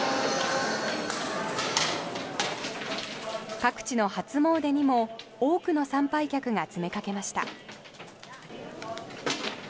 各地の初詣にも多くの参拝客が詰めかけました。